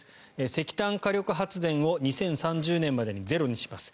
石炭火力発電を２０３０年までにゼロにします。